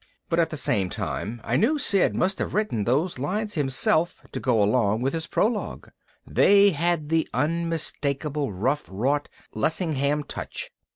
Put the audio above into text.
But at the same time I knew Sid must have written those lines himself to go along with his prologue. They had the unmistakable rough wrought Lessingham touch.